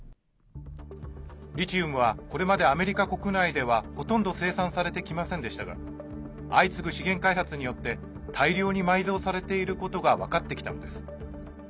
リチウムはこれまでアメリカ国内ではほとんど生産されてきませんでしたが相次ぐ資源開発によって大量に埋蔵されていることが分かってきたのです。